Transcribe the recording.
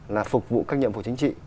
là phục vụ các nhiệm vụ chính trị